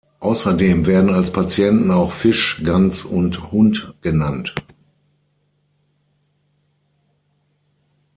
Außerdem werden als Patienten auch Fisch, Gans und Hund genannt.